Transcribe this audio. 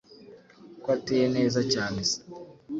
ko ateye neza, cyane se